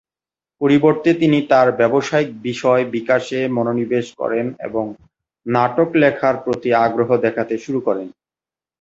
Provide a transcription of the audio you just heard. পরিবর্তে তিনি তার ব্যবসায়িক বিষয় বিকাশে মনোনিবেশ করেন এবং নাটক লেখার প্রতি আগ্রহ দেখাতে শুরু করেন।